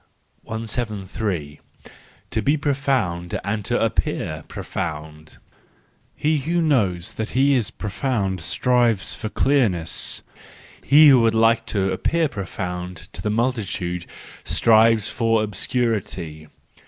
173 To be Profound and to Appear Profound .—He who knows that he is profound strives for clearness; he who would like to appear profound to the multi¬ tude strives for obscurity.